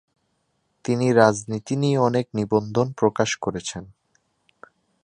তিনি রাজনীতি নিয়ে অনেক নিবন্ধ প্রকাশ করেছেন।